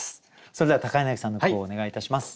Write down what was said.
それでは柳さんの句をお願いいたします。